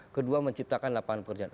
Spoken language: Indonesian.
kedua menciptakan lapangan pekerjaan